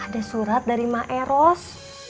ada surat dari maeros